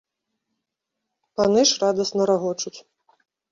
Паны ж радасна рагочуць.